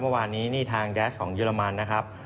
เมื่อวานนี้นี่ทางแก๊สของเยอรมันนะครับ